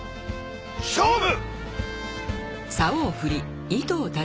勝負！